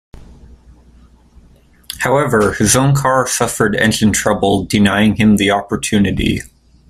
However, his own car suffered engine trouble, denying him the opportunity.